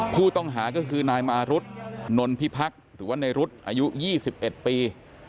ผู้ต้องหาก็คือนายมารุธนนพิพักษ์หรือว่าในรุ๊ดอายุ๒๑ปี